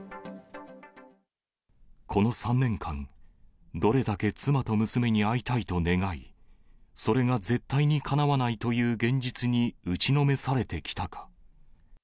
この３年間、どれだけ妻と娘に会いたいと願い、それが絶対にかなわないという現実に打ちのめされてきたか。